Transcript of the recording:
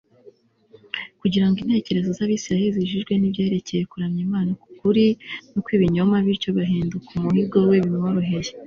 kugira ngo intekerezo z'abisirayeli zijijwe n'ibyerekeye kuramya imana k'ukuri n'ukw'ibinyoma, bityo bahinduka umuhigo we bimworoheye